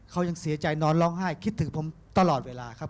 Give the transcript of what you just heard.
เขายังเสียใจนอนร้องไห้คิดถึงผมตลอดเวลาครับ